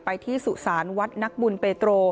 ที่สุสานวัดนักบุญเปโตร